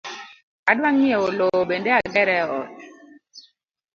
Adwa ng’iewo lowo bende agere ot